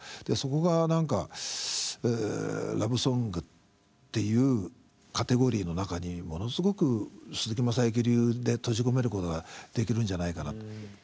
そこが何かラブソングっていうカテゴリーの中にものすごく鈴木雅之流で閉じ込めることができるんじゃないかな。